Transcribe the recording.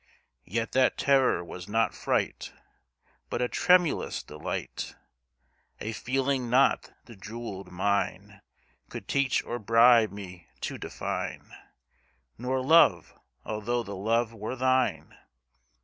Yet that terror was not fright, But a tremulous delight A feeling not the jewelled mine Could teach or bribe me to define Nor Love although the Love were thine.